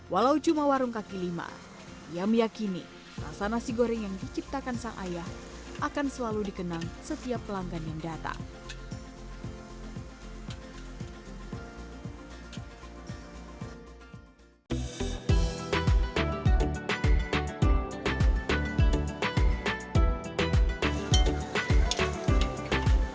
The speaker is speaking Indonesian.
walau cuma warung kaki lima ia meyakini rasa nasi goreng yang diciptakan sang ayah akan selalu dikenang setiap pelanggan yang datang